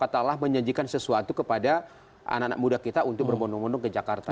salah menjanjikan sesuatu kepada anak anak muda kita untuk bermundung mundung ke jakarta